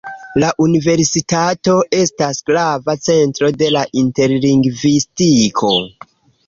La universitato estas grava centro de interlingvistiko.